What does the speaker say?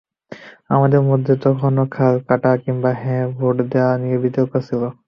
আমাদের মধ্যে তখনো খাল কাটা কিংবা হ্যাঁ ভোট দেওয়া নিয়ে বিতর্ক ছিল।